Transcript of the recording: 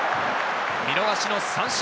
見逃しの三振。